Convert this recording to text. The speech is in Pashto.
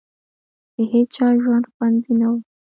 د هېچا ژوند خوندي نه وو.